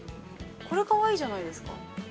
これかわいいじゃないですか。